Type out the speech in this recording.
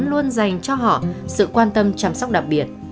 luôn dành cho họ sự quan tâm chăm sóc đặc biệt